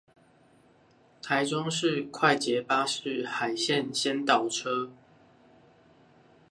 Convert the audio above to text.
臺中市快捷巴士海線先導車